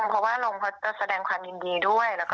เพราะว่าลงเขาจะแสดงความยินดีด้วย